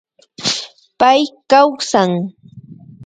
Pay kawsan